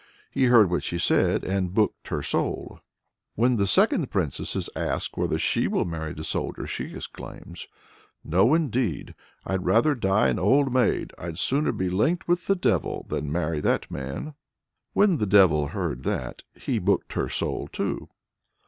He heard what she said, and booked her soul." When the second princess is asked whether she will marry the soldier, she exclaims: "No indeed! I'd rather die an old maid, I'd sooner be linked with the devil, than marry that man!" When the devil heard that, "he booked her soul too."